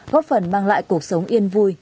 góp phần mang lại cuộc sống yên vui